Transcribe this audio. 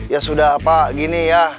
ya sudah pak gini ya